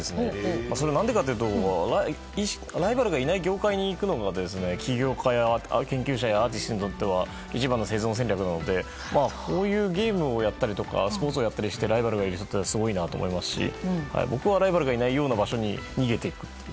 それは、ライバルがいない業界に行くのが起業家や研究者やアーティストにとっては一番の生存戦略なのでこういうゲームをやったりスポーツをやったりしてライバルがいる人はすごいなと思いますし僕はライバルがいないような場所に逃げてる。